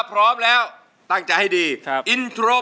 เป็นเพลงของคุณอาชายเมืองสิงหรือเปล่า